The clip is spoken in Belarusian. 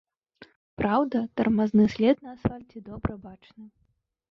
Праўда, тармазны след на асфальце добра бачны.